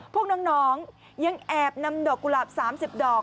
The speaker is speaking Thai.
พวกน้องยังแอบนำดอกกุหลาบ๓๐ดอก